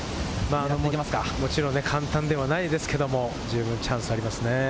もちろん簡単ではないですけれども、十分チャンスはありますね。